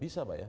bisa pak ya